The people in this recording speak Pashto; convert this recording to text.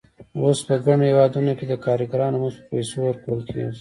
اوس په ګڼو هېوادونو کې د کارګرانو مزد په پیسو ورکول کېږي